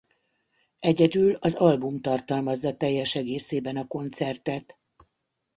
Egyedül az album tartalmazza teljes egészében a koncertet.